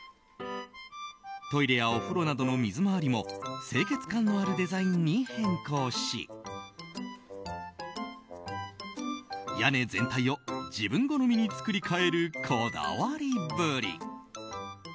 トイレやお風呂などの水回りも清潔感のあるデザインに変更し屋根全体を自分好みに作り替えるこだわりぶり。